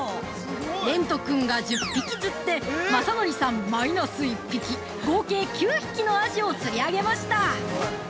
蓮人君が１０匹釣って、まさのりさんマイナス１匹、合計９匹のアジを釣り上げました！